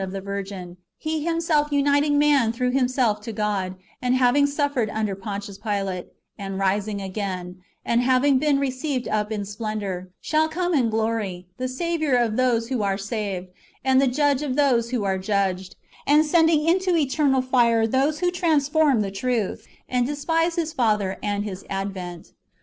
265 of the virgin, He Plimself uniting man througli Himself to God, and having suffered under Pontius Pilate, and rising again, and having been received up in splendour, shall come in glory, the Saviour of those who are saved, and the Judge of those who are judged, and sending into eternal fire those who transform the truth, and despise His Father and His advent.